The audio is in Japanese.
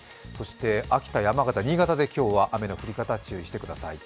秋田、山形、新潟で今日は雨の降り方、気をつけてください。